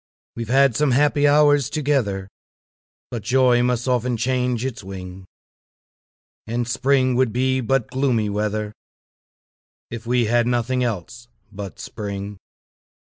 We've had some happy hours together, But joy must often change its wing; And spring would be but gloomy weather, If we had nothing else but spring.